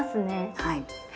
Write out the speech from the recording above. はい。